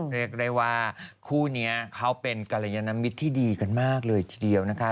เรียกได้ว่าคู่นี้เขาเป็นกรยานมิตรที่ดีกันมากเลยทีเดียวนะคะ